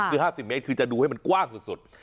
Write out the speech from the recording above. คือ๕๐เมตรคือจะดูให้มันกว้างสุด